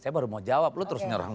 saya baru mau jawab lo terus nyerang